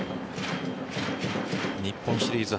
日本シリーズ